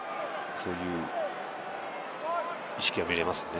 そういう意識が見られますね。